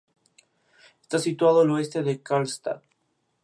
Está situado al oeste de Karlstad.